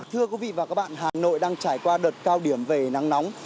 thưa quý vị và các bạn hà nội đang trải qua đợt cao điểm về nắng nóng